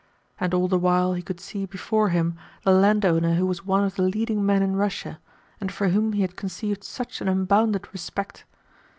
And all the while he could see before him the landowner who was one of the leading men in Russia, and for whom he had conceived such an unbounded respect.